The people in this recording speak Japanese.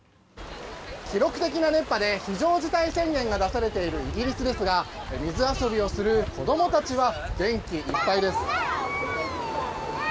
記録的な熱波で非常事態宣言が出されているイギリスですが水遊びをする子供たちは元気いっぱいです。